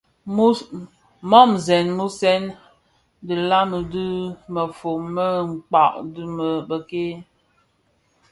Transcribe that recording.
Mmusèn musèn dhilami di mefom me mkpag dhi më bëk-ke,